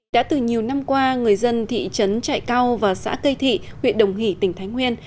đã từ nhiều năm qua người dân thị trấn trại cao và xã cây thị huyện đồng hỷ tỉnh thái nguyên